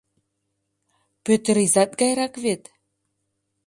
Пӧтыр изат гайрак вет?